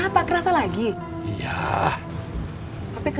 bapaknya gak mau nyanyi